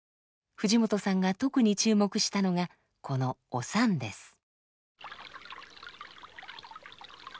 藤本さんが特に注目したのがこのおさんです。